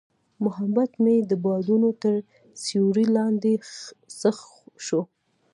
محبت مې د بادونو تر سیوري لاندې ښخ شو.